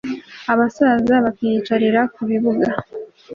abasaza bakiyicarira ku bibuga